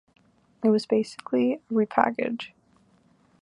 It was basically a repackage.